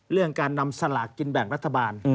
เรื่องการนำสลากกินแบ่งรัฐบาล